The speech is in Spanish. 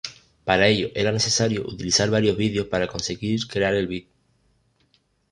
Para ello era necesario utilizar varios videos para conseguir crear el vid.